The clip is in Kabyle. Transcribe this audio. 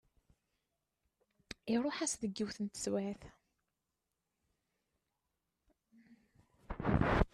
Iruḥ-as deg yiwet n teswiɛt.